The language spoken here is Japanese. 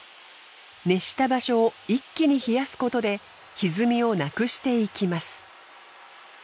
熱した場所を一気に冷やすことで歪みをなくしていきます。